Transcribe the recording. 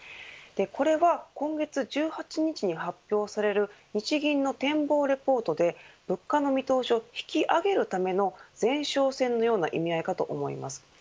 これは今月１８日に発表される日銀の展望レポートで物価の見通しを引き上げるための前哨戦のような意味合いかと思います。